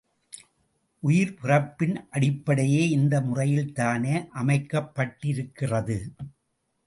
உயிர்ப் பிறப்பின் அடிப்படையே இந்த முறையில் தானே அமைக்கப்பட்டிருக்கிறது?